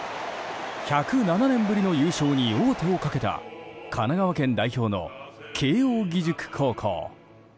１０７年ぶりの優勝に王手をかけた神奈川県代表の慶應義塾高校。